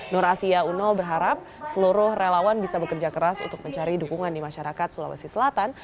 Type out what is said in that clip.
nur asia uno berharap seluruh relawan bisa bekerja keras untuk mencari dukungan di masyarakat sulawesi selatan